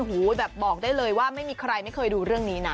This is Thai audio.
แบบบอกได้เลยว่าไม่มีใครไม่เคยดูเรื่องนี้นะ